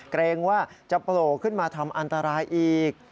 เกรงว่าจะโผล่ขึ้นมาทำอันตรายอีก